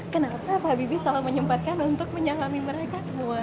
kenapa pak habibie selalu menyempatkan untuk menyalami mereka semua